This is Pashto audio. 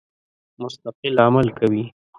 مستقل عمل کوي.